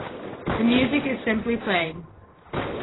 The music is simply played.